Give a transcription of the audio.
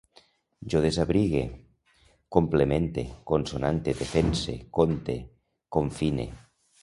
Jo desabrigue, complemente, consonante, defense, conte, confine